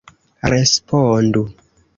Respondu.